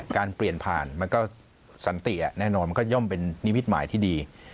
การเปลี่ยนผ่านมันก็สันติแน่นอนมันก็ย่อมเป็นนิมิตหมายที่ดี